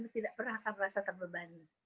tidak pernah akan merasa terbebani